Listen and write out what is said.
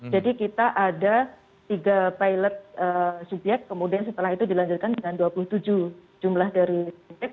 jadi kita ada tiga pilot subyek kemudian setelah itu dilanjutkan dengan dua puluh tujuh jumlah dari subyek